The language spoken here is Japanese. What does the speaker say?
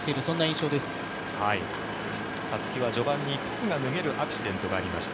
勝木は序盤に靴が脱げるアクシデントがありました。